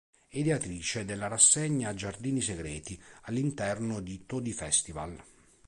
È ideatrice della rassegna Giardini Segreti all'interno di Todi Festival.